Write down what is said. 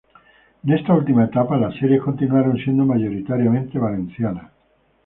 En esta última etapa, las series continuaron siendo mayoritariamente valencianas.